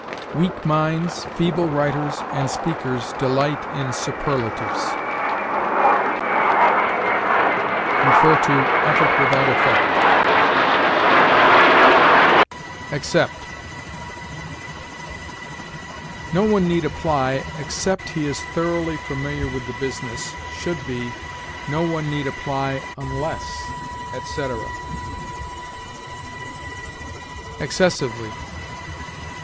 "Weak minds, feeble writers and speakers delight in superlatives." See EFFORT WITHOUT EFFECT. EXCEPT. "No one need apply except he is thoroughly familiar with the business," should be, "No one need apply unless," etc. EXCESSIVELY.